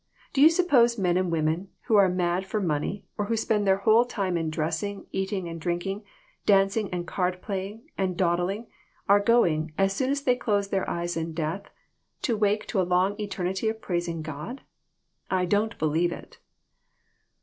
Do you sup pose men and women, who are mad for money, or who spend their whole time in dressing, eating and drinking, dancing and card playing and dawd ling, are going, as soon as they close their eyes in death, to wake to a long eternity of praising God ? I don't believe it."